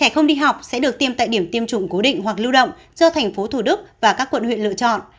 trẻ không đi học sẽ được tiêm tại điểm tiêm chủng cố định hoặc lưu động do tp thủ đức và các quận huyện lựa chọn